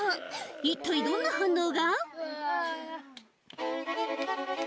一体どんな反応が？